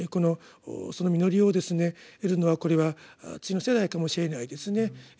その実りをですね得るのはこれは次の世代かもしれないですね。